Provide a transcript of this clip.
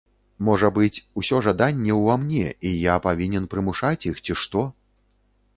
Можа быць, усё жаданне ў ва мне, і я павінен прымушаць іх ці што?